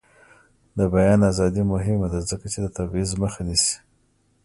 د بیان ازادي مهمه ده ځکه چې د تبعیض مخه نیسي.